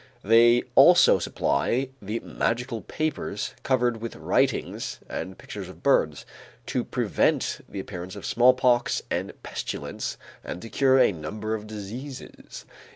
They also supply the magical papers covered with writings and pictures of birds, to prevent the appearance of smallpox and pestilence and to cure a number of diseases.